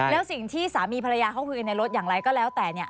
แล้วสิ่งที่สามีภรรยาเขาคุยกันในรถอย่างไรก็แล้วแต่เนี่ย